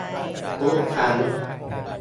ทุกครั้ง